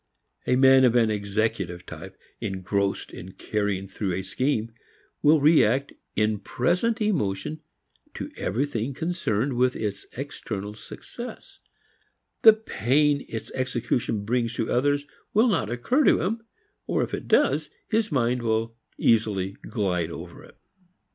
A man of an executive type, engrossed in carrying through a scheme, will react in present emotion to everything concerned with its external success; the pain its execution brings to others will not occur to him, or if it does, his mind will easily glide over it.